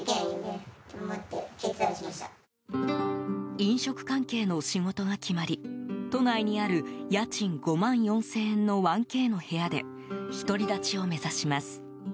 飲食関係の仕事が決まり都内にある家賃５万４０００円の１Ｋの部屋で独り立ちを目指します。